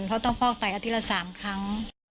เพราะต้องฟอกไปอาทิตย์ละ๓ครั้ง